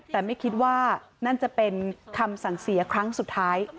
แต่ไม่คิดว่านั่นจะเป็นคำสั่งเสียครั้งสุดท้าย